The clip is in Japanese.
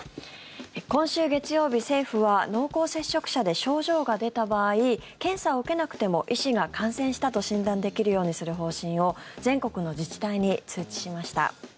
今週月曜日、政府は濃厚接触者で症状が出た場合検査を受けなくても医師が感染したと診断できるようにする方針を全国の自治体に通知しました。